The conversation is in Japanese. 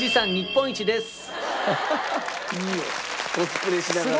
コスプレしながら。